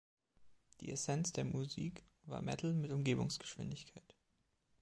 Die Essenz der Musik war Metal mit Umgebungsgeschwindigkeit.